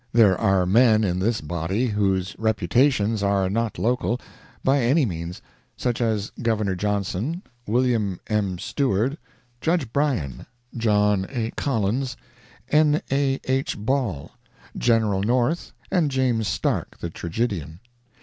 There are men in this body whose reputations are not local, by any means—such as Governor Johnson, Wm. M. Stewart, Judge Bryan, John A. Collins, N. A. H. Ball, General North and James Stark, the tragedian.